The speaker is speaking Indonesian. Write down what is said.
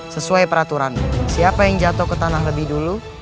sesuai peraturan siapa yang jatuh ke tanah lebih dulu